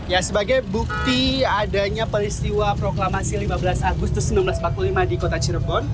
ya sebagai bukti adanya peristiwa proklamasi lima belas agustus seribu sembilan ratus empat puluh lima di kota cirebon